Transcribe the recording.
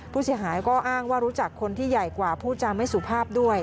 ผู้เสียหายก็อ้างว่ารู้จักคนที่ใหญ่กว่าผู้จำไม่สุภาพด้วย